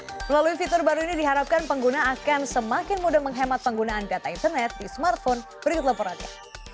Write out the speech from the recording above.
nah melalui fitur baru ini diharapkan pengguna akan semakin mudah menghemat penggunaan data internet di smartphone berikut laporannya